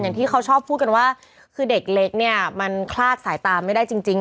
ที่เขาชอบพูดกันว่าคือเด็กเล็กเนี่ยมันคลาดสายตาไม่ได้จริงจริง